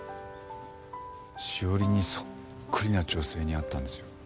史織にそっくりな女性に会ったんですよ。